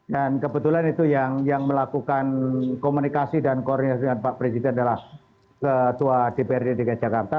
kebetulan itu yang melakukan komunikasi dan koordinasi dengan pak presiden adalah ketua dprd dki jakarta